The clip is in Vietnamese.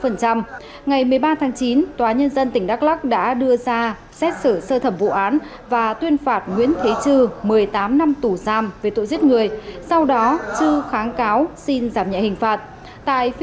ngày một mươi ba tháng chín tòa nhân dân tỉnh đắk lắc đã đưa ra xét xử sơ thẩm vụ án và tuyên phạt nguyễn thế chư một mươi tám năm tù giam về tội giết người sau đó trư kháng cáo xin giảm nhẹ hình phạt